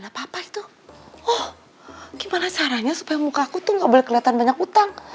apa itu oh gimana caranya supaya muka aku tuh nggak boleh kelihatan banyak utang